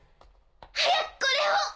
早くこれを！